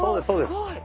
おすごい！